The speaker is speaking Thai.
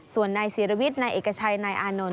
ส่วนนายศิรวิทย์นายเอกชัยนายอานนท์